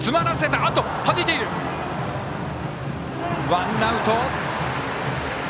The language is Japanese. ワンアウト。